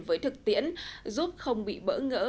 với thực tiễn giúp không bị bỡ ngỡ